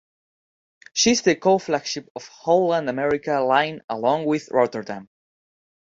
She is the co-flagship of Holland America Line along with "Rotterdam".